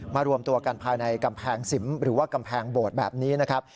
รวมตัวกันภายในกำแพงสิมหรือว่ากำแพงโบดแบบนี้นะครับ